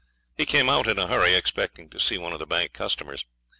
He came out in a hurry, expecting to see one of the bank customers.